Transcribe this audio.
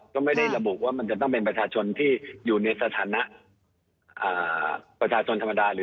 ก็ไม่ได้ระบุว่ามันจะต้องเป็นประชาชนที่อยู่ในสถานะประชาชนธรรมดาหรือ